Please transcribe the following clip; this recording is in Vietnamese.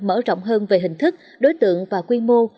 mở rộng hơn về hình thức đối tượng và quy mô